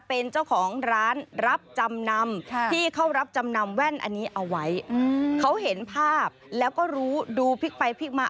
เป็นเจ้าของร้านรับจำนำที่เขารับจำนำแว่นอันนี้เอาไว้เขาเห็นภาพแล้วก็รู้ดูพลิกไปพลิกมา